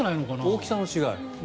大きさの違い。